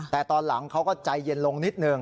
แต่ตอนหลังเขาก็ใจเย็นลงนิดหนึ่ง